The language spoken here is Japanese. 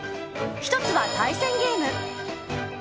１つは対戦ゲーム。